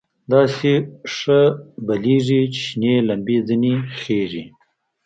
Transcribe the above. داسې ښه بلېږي چې شنې لمبې ځنې خېژي.